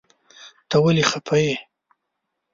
ته ولی خپه یی ؟